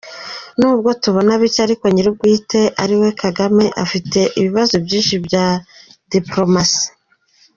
N’ubwo tubona bike ariko nyiri bwite ariwe Kagame afite ibibazo byinshi bya diplomasi.